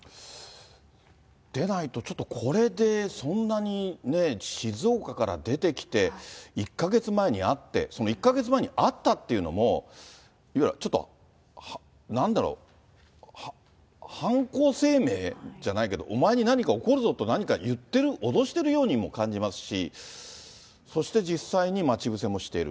でないと、ちょっとこれでそんなに、静岡から出てきて、１か月前に会って、その１か月前に会ったっていうのも、いわゆるちょっと、なんだろう、犯行声明じゃないけど、お前に何か起こるぞと何か言ってる、脅してるようにも感じますし、そして実際に、待ち伏せもしている。